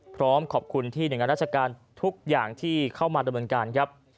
พร้อมขอบคุณที่หน่วยงานราชการทุกอย่างที่เข้ามาดำเนินการครับ